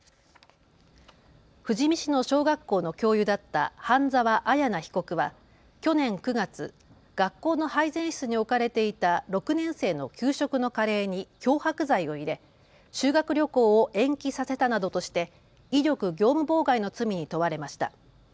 富士見市の小学校の教諭だった半澤彩奈被告は去年９月、学校の配膳室に置かれていた６年生の給食のカレーに漂白剤を入れ修学旅行を延期させたなどとして威力業務妨害の罪に問われました。